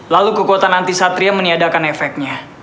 lalu kekuatan anti satria meniadakan efeknya